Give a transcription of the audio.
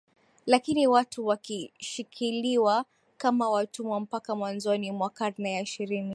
Lakini watu walishikiliwa kama watumwa mpaka mwanzoni mwa karne ya ishirini